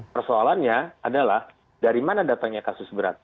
persoalannya adalah dari mana datangnya kasus berat